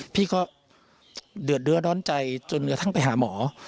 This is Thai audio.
พี่ก็เดือดเนื้อร้อนใจจนกระทั่งไปหาหมอ